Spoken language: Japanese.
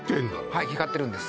はい光ってるんです